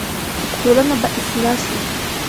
ټولنه به اصلاح شي.